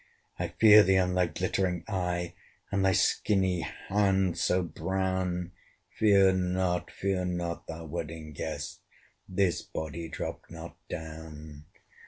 "I fear thee and thy glittering eye, And thy skinny hand, so brown." Fear not, fear not, thou Wedding Guest! This body dropt not down.